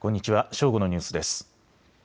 正午のニュースです。